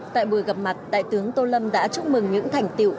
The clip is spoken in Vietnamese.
tại buổi gặp mặt đại tướng tô lâm đã chúc mừng những thành tiệu